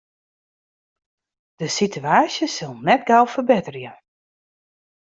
De sitewaasje sil net gau ferbetterje.